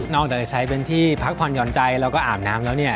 จะใช้เป็นที่พักผ่อนหย่อนใจแล้วก็อาบน้ำแล้วเนี่ย